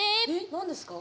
何ですか？